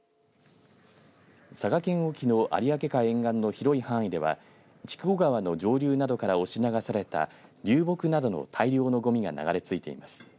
佐賀県沖の有明海沿岸の広い範囲では筑後川の上流などから押し流された流木などの大量のごみが流れ着いています。